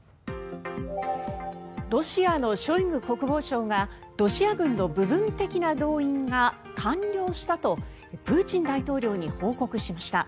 ロシアのショイグ国防相がロシア軍の部分的な動員が完了したとプーチン大統領に報告しました。